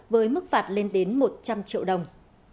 với mức phạt lên đến một trăm linh triệu đồng